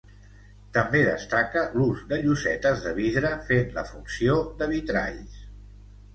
També destaca l'ús de llosetes de vidre fent la funció de vitralls.